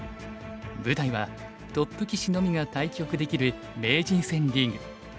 舞台はトップ棋士のみが対局できる名人戦リーグ。